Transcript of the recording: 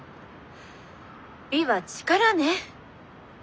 美は力ね。